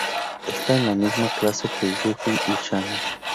Esta en la misma clase que Yuji y Shana.